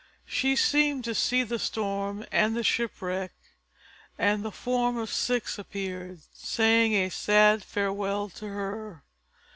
She seemed to see the storm and the shipwreck, and the form of Ceyx appeared, saying a sad farewell to her.